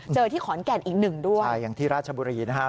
ที่ขอนแก่นอีกหนึ่งด้วยใช่อย่างที่ราชบุรีนะครับ